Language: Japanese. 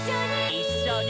「いっしょに」